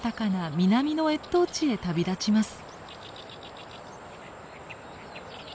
南の越冬地へ旅立ちます。